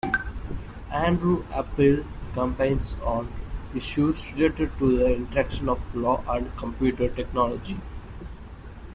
Andrew Appel campaigns on issues related to the interaction of law and computer technology.